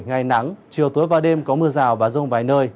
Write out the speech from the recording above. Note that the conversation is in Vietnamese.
ngày nắng chiều tối và đêm có mưa rào và rông vài nơi